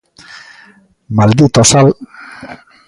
Maldito sal.